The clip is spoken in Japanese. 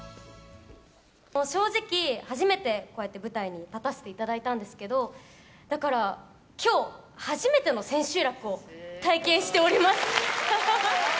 正直、初めてこうやって舞台に立たせていただいたんですけど、だから、きょう、初めての千秋楽を体験しております。